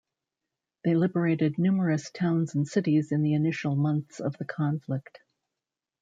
They liberated numerous towns and cities in the initial months of the conflict.